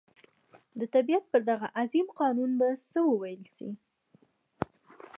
د طبعیت پر دغه عظیم قانون به څه وویل شي.